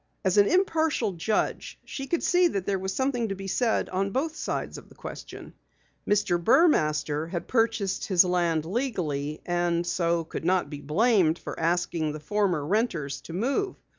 As an impartial judge she could see that there was something to be said on both sides of the question. Mr. Burmaster had purchased his land legally, and so could not be blamed for asking the former renters to move.